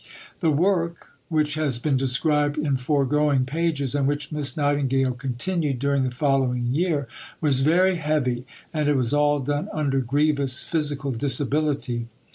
The work, which has been described in foregoing pages and which Miss Nightingale continued during the following year, was very heavy, and it was all done under grievous physical disability.